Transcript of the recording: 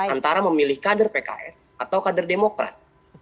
antara memilih kader pks atau kader demokrat